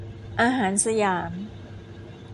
อาหารสยาม